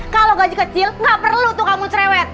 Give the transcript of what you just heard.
kalau gaji kecil gak perlu tuh kamu cerewet